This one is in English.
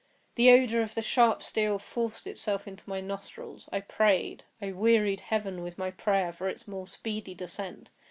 The odor of the sharp steel forced itself into my nostrils. I prayed—I wearied heaven with my prayer for its more speedy descent.